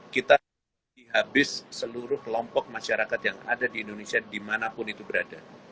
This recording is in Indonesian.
kita dihabis seluruh kelompok masyarakat yang ada di indonesia dimanapun itu berada